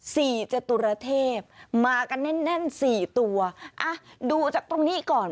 จตุรเทพมากันแน่นแน่นสี่ตัวอ่ะดูจากตรงนี้ก่อน